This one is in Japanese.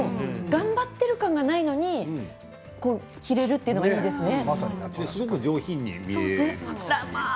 頑張っている感がないのに着られるというのがいいですね。